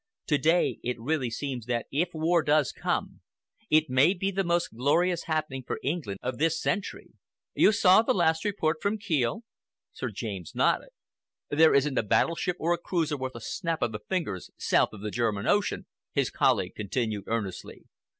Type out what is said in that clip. To day it really seems that if war does come, it may be the most glorious happening for England of this century. You saw the last report from Kiel?" Sir James nodded. "There isn't a battleship or a cruiser worth a snap of the fingers south of the German Ocean," his colleague continued earnestly.